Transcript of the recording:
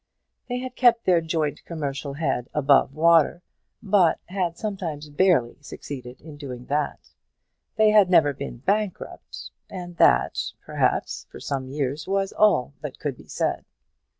They had kept their joint commercial head above water, but had sometimes barely succeeded in doing that. They had never been bankrupt, and that, perhaps, for some years was all that could be said.